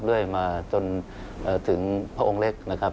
เรื่อยมาจนถึงพระองค์เล็กนะครับ